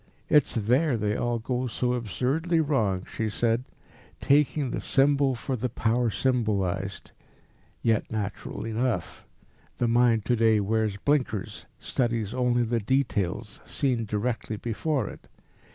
"It's there they all go so absurdly wrong," she said, "taking the symbol for the power symbolised. Yet natural enough. The mind to day wears blinkers, studies only the details seen directly before it.